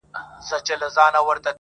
ګواکي ټول دي د مرګي خولې ته سپارلي٫